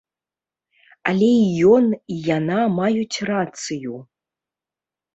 Але і ён, і яна маюць рацыю.